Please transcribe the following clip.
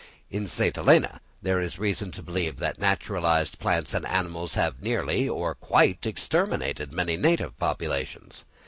In St. Helena there is reason to believe that the naturalised plants and animals have nearly or quite exterminated many native productions.